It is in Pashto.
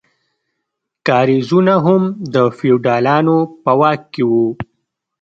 کاریزونه هم د فیوډالانو په واک کې وو.